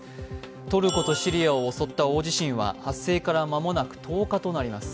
トルコとシリアを襲った大地震は発生から間もなく１０日となります。